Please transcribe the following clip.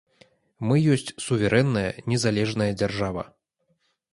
Мы ёсць суверэнная, незалежная дзяржава.